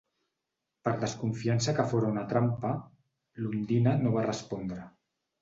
Per desconfiança que fóra una trampa, l'"Ondina" no va respondre.